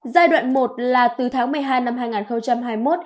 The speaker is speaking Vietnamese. giai đoạn một là từ tháng một mươi hai năm hai nghìn hai mươi một